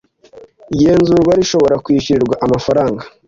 igenzurwa rishobora kwishyurirwa amafaranga